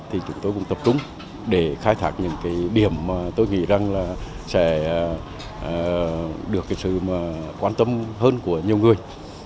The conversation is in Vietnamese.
thì chúng tôi cũng tập trung để khai thác những cái điểm mà tôi nghĩ rằng là sẽ được cái sự quan tâm hơn của nhiều người